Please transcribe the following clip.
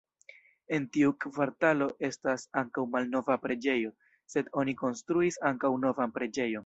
En tiu kvartalo estas ankaŭ malnova preĝejo, sed oni konstruis ankaŭ novan preĝejon.